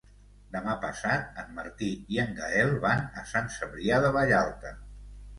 Demà passat en Martí i en Gaël van a Sant Cebrià de Vallalta.